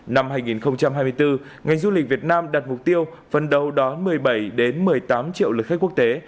năm hai nghìn hai mươi bốn ngành du lịch việt nam đặt mục tiêu phần đầu đón một mươi bảy một mươi tám triệu lượt khách quốc tế